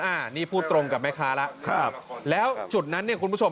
อ่านี่พูดตรงกับแม่ค้าแล้วแล้วจุดนั้นเนี่ยคุณผู้ชมครับ